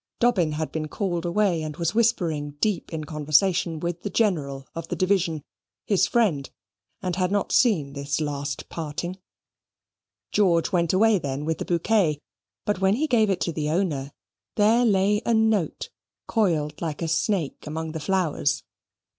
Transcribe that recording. Dobbin had been called away, and was whispering deep in conversation with the General of the division, his friend, and had not seen this last parting. George went away then with the bouquet; but when he gave it to the owner, there lay a note, coiled like a snake among the flowers.